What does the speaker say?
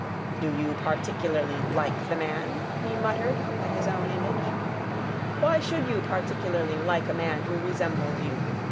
"Do you particularly like the man?" he muttered, at his own image; "why should you particularly like a man who resembles you?